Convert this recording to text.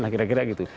nah kira kira gitu